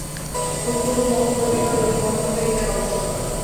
কর্তব্য কর্ম করিতে গেলে অতি কঠোরভাবে এই ত্যাগ আবশ্যক হয়।